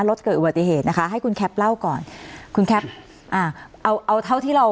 เกิดอุบัติเหตุนะคะให้คุณแคปเล่าก่อนคุณแคปอ่าเอาเอาเท่าที่เรา